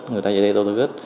người ta về đây rất ít